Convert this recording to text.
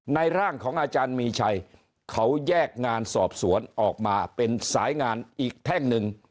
ร่างของอาจารย์มีชัยเขาแยกงานสอบสวนออกมาเป็นสายงานอีกแท่งหนึ่ง